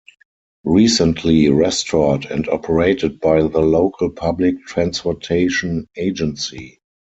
Recently restored and operated by the local public transportation agency.